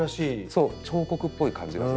そう彫刻っぽい感じなんですね。